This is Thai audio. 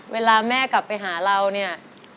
เวลาแม่กลับไปหาเราเนี่ย